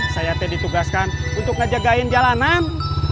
saya ditugaskan untuk ngejagain jalanan